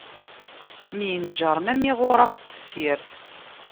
Myenjaṛen, am iɣuṛaf n tessirt.